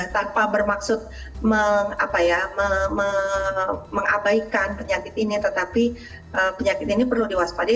tanpa bermaksud mengabaikan penyakit ini tetapi penyakit ini perlu diwaspadai